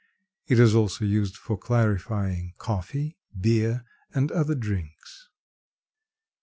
It is also used for clarifying coffee, beer and other drinks.